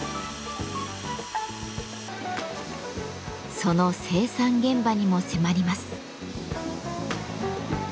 その生産現場にも迫ります。